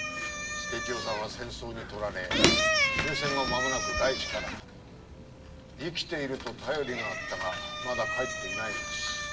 佐清さんは戦争にとられ終戦後まもなく外地から生きていると便りがあったがまだ帰っていないのです。